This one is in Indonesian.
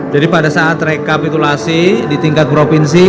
jadi pada saat rekapitulasi di tingkat provinsi